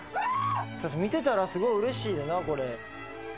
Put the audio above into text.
見てたらすごいうれしいよなこれ。